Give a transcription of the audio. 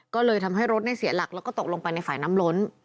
ก็เลยทำให้รถเสียหลักแล้วก็ตกลงไปในฝ่ายน้ำล้น